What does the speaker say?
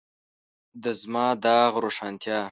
د زما داغ روښانتیا.